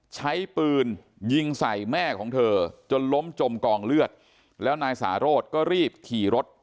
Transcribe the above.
ใช้ปืนยิงใส่แม่ของเธอจนล้มจมกองเลือดแล้วนายสาโรธก็รีบขี่รถ